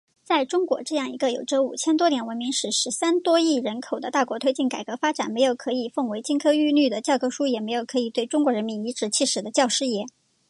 在中国这样一个有着五千多年文明史，十三亿多人口的大国推进改革发展，没有可以奉为金科律玉的教科书，也没有可以对中国人民颐使气指的教师爷。